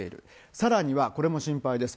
さらにはこれも心配です。